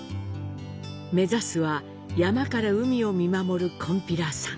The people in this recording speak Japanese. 目指すは山から海を見守る「こんぴらさん」。